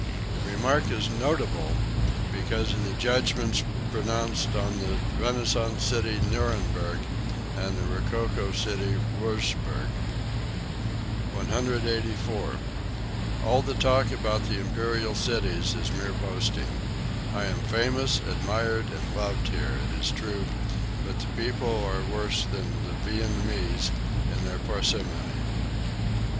The remark is notable because of the judgments pronounced on the renaissance city Nuremberg, and the rococo city Wurzburg.) 184. "All the talk about the imperial cities is mere boasting. I am famous, admired and loved here, it is true, but the people are worse than the Viennese in their parsimony."